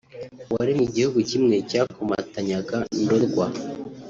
waremye igihugu kimwe cyakomatanyaga Ndorwa